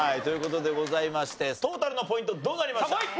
という事でございましてトータルのポイントどうなりました？